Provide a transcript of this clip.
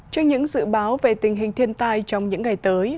trên những dự báo về tình hình thiên tai trong những ngày tới